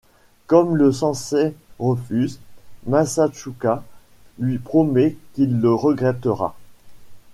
Comme le sensei refuse, Masatsuka lui promet qu'il le regrettera.